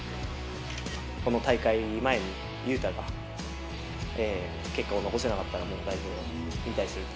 この大会前に雄太が、結果を残せなかったら、もう代表引退するって。